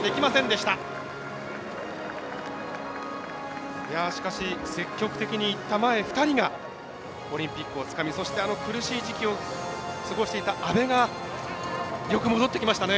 しかし、積極的にいった前２人がオリンピックをつかみそして苦しい時期を過ごしていた安部が、よく戻ってきましたね。